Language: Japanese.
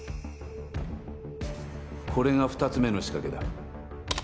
これが２つ目の仕掛けだ。